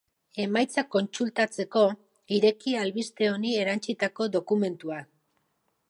Emaitzak kontsultatzeko, ireki albiste honi erantsitako dokumentua.